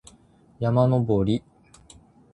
山登り